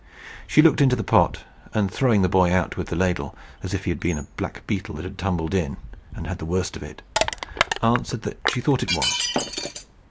She looked into the pot, and throwing the boy out with the ladle, as if he had been a black beetle that had tumbled in and had had the worst of it, answered that she thought it was.